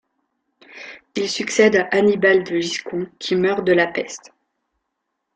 Il succède à Hannibal de Giscon qui meurt de la peste.